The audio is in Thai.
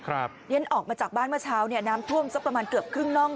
เรียนออกมาจากบ้านเมื่อเช้าเนี่ยน้ำท่วมสักประมาณเกือบครึ่งน่อง